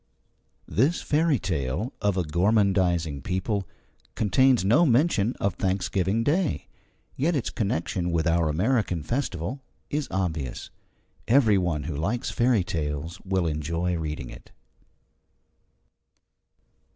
This fairy tale of a gormandizing people contains no mention of Thanksgiving Day. Yet its connection with our American festival is obvious. Every one who likes fairy tales will enjoy reading it.